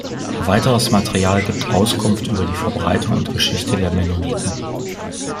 Weiteres Material gibt Auskunft über die Verbreitung und Geschichte der Mennoniten.